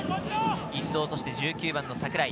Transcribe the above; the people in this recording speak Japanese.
一度落として、１９番・櫻井。